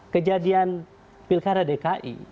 kejadian pilkara dki